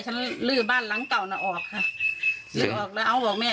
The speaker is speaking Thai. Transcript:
ลื้อบ้านหลังเก่าน่ะออกค่ะลื้อออกแล้วเอาออกแม่